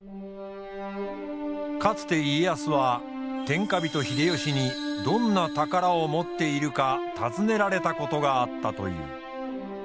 かつて家康は天下人秀吉にどんな宝を持っているか尋ねられたことがあったという。